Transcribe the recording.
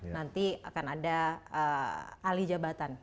nanti akan ada ahli jabatan